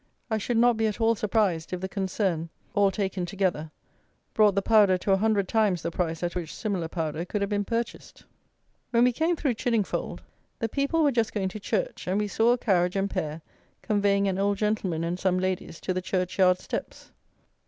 I should not be at all surprised, if the concern, all taken together, brought the powder to a hundred times the price at which similar powder could have been purchased. When we came through Chiddingfold, the people were just going to church; and we saw a carriage and pair conveying an old gentleman and some ladies to the churchyard steps.